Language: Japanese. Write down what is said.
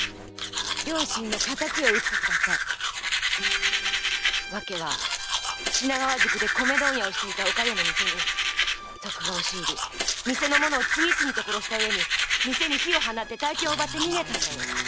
両親の敵を討ってください」訳は品川宿で米問屋をしていたおかよの店に賊が押し入り店の者を次々と殺したうえに店に火を放ち大金を奪い逃げたんだ。